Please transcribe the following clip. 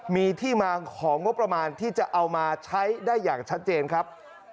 มีที่มาของงบประมาณที่จะเอามาใช้ได้อย่างชัดเจนครับ